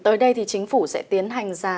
tới đây thì chính phủ sẽ tiến hành ra